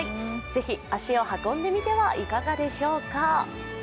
ぜひ足を運んでみてはいかがでしょうか。